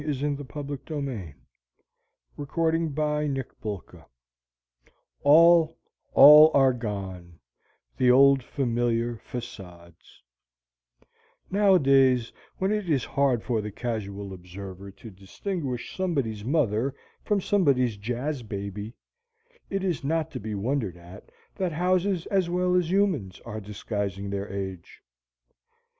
As for the neckties I have received truly, Love is blind! ALL, ALL ARE GONE, THE OLD FAMILIAR FAÇADES Nowadays when it is hard for the casual observer to distinguish Somebody's Mother from Somebody's Jazz Baby, it is not to be wondered at that houses as well as humans are disguising their age.